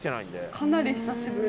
かなり久しぶり。